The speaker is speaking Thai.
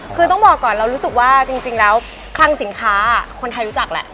คือต้องบอกก่อนเรารู้สึกว่าจริงแล้วคลังสินค้าคนไทยรู้จักแหละ